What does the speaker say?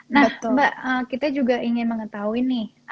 nah mbak kita juga ingin mengetahui nih